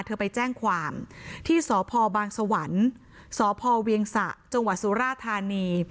เธอไปแจ้งความที่สพบางสวรรค์สพเวียงสะจังหวัดสุราธานี